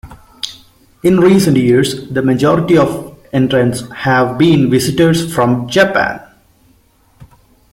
In recent years, the majority of entrants have been visitors from Japan.